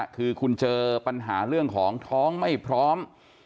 คือคุณเจอปัญหาเรื่องของท้องไม่พร้อม